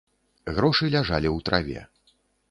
Грошы ляжалі ў траве.